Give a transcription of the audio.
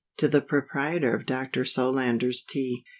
To the Proprietor of Dr. SOLANDER'S TEA.